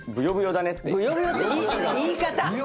言い方。